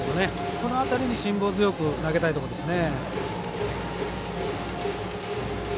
この辺りに辛抱強く投げたいところですね。